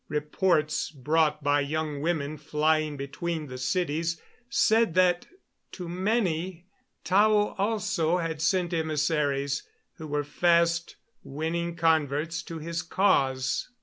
Reports brought by young women flying between the cities said that to many Tao also had sent emissaries who were fast winning converts to his cause.